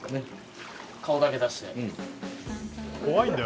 顔だけ出して。